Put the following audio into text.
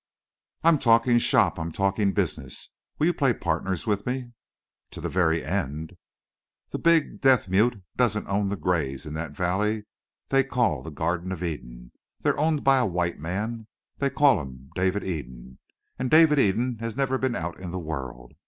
"I'm talking shop. I'm talking business. Will you play partners with me?" "To the very end." "The big deaf mute doesn't own the grays in that valley they call the Garden of Eden. They're owned by a white man. They call him David Eden. And David Eden has never been out in the world.